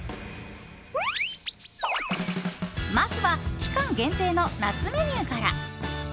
まずは期間限定の夏メニューから。